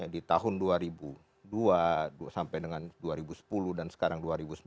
di tahun dua ribu dua sampai dengan dua ribu sepuluh dan sekarang dua ribu sembilan belas